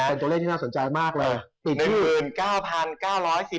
เป็นตัวเลขที่น่าสนใจมากเลย